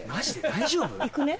大丈夫？いくね！